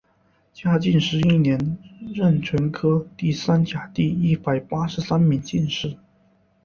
嘉靖十一年壬辰科第三甲第一百八十三名进士。